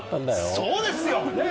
そうですよ。